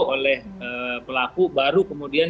oleh pelaku baru kemudian